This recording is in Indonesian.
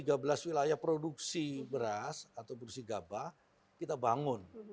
sementara ini ada tiga belas wilayah produksi beras atau produksi gaba kita bangun